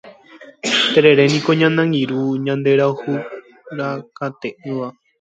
Tereréniko ñane angirũ ñanderayhurakate'ỹva.